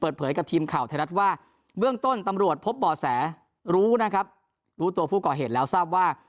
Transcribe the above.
เปิดเผยกับทีมข่าวไทยรัฐว่าเบื้องต้นตำรวจพบบ่อแสรู้นะครับรู้ตัวผู้ก่อเหตุแล้วทราบว่า